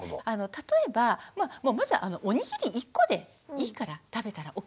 例えばまずおにぎり１個でいいから食べたらＯＫ。